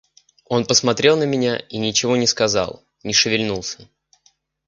Он посмотрел на меня и ничего не сказал, не шевельнулся.